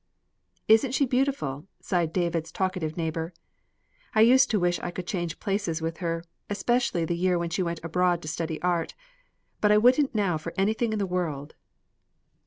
"Isn't she beautiful?" sighed David's talkative neighbor. "I used to wish I could change places with her, especially the year when she went abroad to study art; but I wouldn't now for anything in the world."